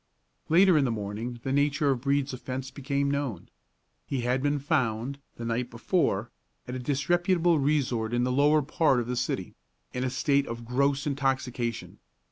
Later in the morning the nature of Brede's offence became known. He had been found, the night before, at a disreputable resort in the lower part of the city, in a state of gross intoxication.